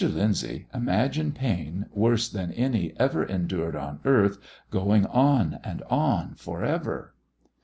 Lyndsay, imagine pain, worse than any ever endured on earth going on and on, for ever!"